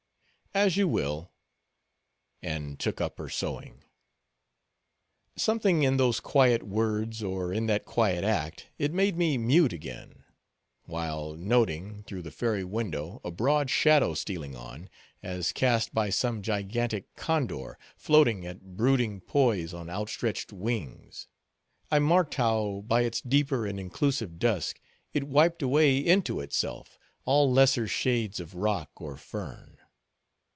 '" "As you will;" and took up her sewing. Something in those quiet words, or in that quiet act, it made me mute again; while, noting, through the fairy window, a broad shadow stealing on, as cast by some gigantic condor, floating at brooding poise on outstretched wings, I marked how, by its deeper and inclusive dusk, it wiped away into itself all lesser shades of rock or fern.